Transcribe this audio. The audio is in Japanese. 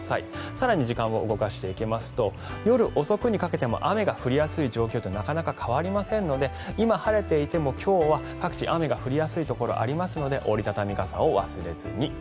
更に時間を動かしていきますと夜遅くにかけて雨が降りやすい状況は変わりませんので今晴れていても各地雨が降りやすいところがありますので折り畳み傘を忘れずに。